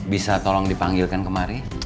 bisa tolong dipanggilkan kemari